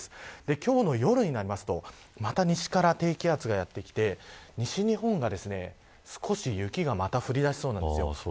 今日の夜になるとまた西から低気圧がやってきて西日本が、少し雪がまた降り出しそうなんです。